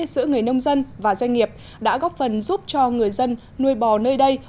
giữa người nông dân và doanh nghiệp đã góp phần giúp cho người dân nuôi bò nơi đây